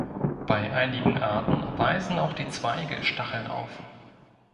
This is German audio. Bei einigen Arten weisen auch die Zweige Stacheln auf.